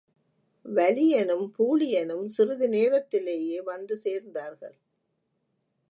வலியனும் பூழியனும் சிறிது நேரத்திலேயே வந்து சேர்ந்தார்கள்.